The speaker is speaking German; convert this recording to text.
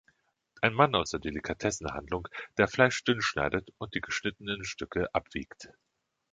Ein Mann aus der Delikatessenhandlung, der Fleisch dünn schneidet und die geschnittenen Stücke abwiegt.